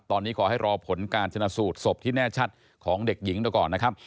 ตอนนี้ขอให้รอผลการชนะสูตรศพที่แน่ชัดของเด็กหญิงดูก่อนนะครับ